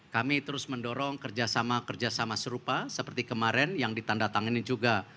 kami terus mendorong kerjasama kerjasama serupa seperti kemarin yang ditandatangani juga